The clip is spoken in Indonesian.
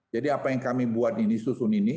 jadi apa yang kami buat ini disusun ini